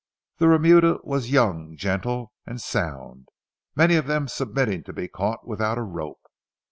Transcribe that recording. The remuda was young, gentle, and sound, many of them submitting to be caught without a rope.